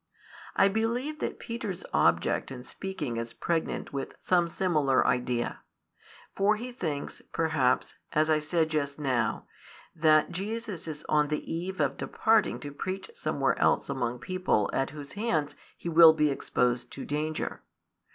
I believe that Peter's object in speaking is pregnant with some similar idea. For he thinks, perhaps, as I said just now, that Jesus is on the eve of departing to preach somewhere else among people at whose hands He will be exposed to danger.